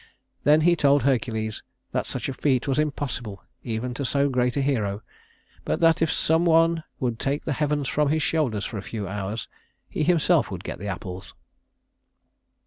Then he told Hercules that such a feat was impossible even to so great a hero; but that if some one would take the heavens from his shoulders for a few hours, he himself would get the apples.